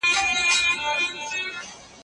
سرمايوي اجناسو بشري ځواک په کار اچولی و.